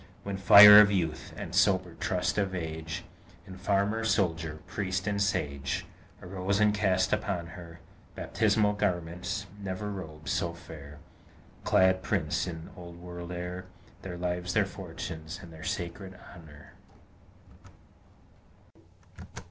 When fire of Youth, and sober trust of Age, In Farmer, Soldier, Priest, and Sage, Arose and cast upon her Baptismal garments, never robes so fair Clad prince in Old World air, Their lives, their fortunes, and their sacred honor!